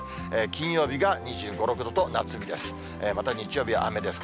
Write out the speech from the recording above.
金曜日が２５、６度と夏日です。